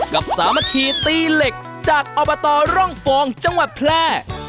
สามัคคีตีเหล็กจากอบตร่องฟองจังหวัดแพร่